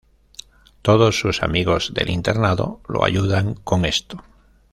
Todos sus amigos del internado lo ayudan con esto.